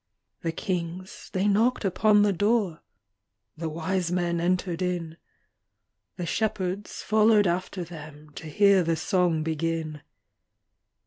The kings they knocked upon the door, The wise men entered in, The shepherds followed after them To hear the song begin.